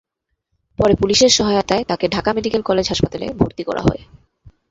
পরে পুলিশের সহায়তায় তাকে ঢাকা মেডিকেল কলেজ হাসপাতালে ভর্তি করা হয়।